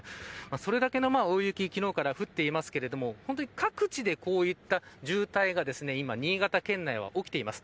それだけの大雪昨日から降っていますけど各地でこういった渋滞が今、新潟県内は起きています。